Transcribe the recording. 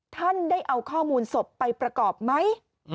ท่านได้เอาข้อมูลศพไปประกอบไหม